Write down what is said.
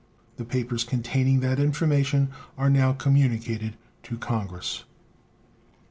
The papers containing that information are now communicated to Congress.